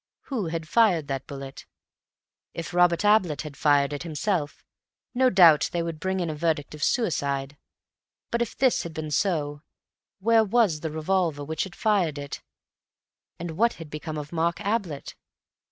Who had fired that bullet? If Robert Ablett had fired it himself, no doubt they would bring in a verdict of suicide, but if this had been so, where was the revolver which had fired it, and what had become of Mark Ablett?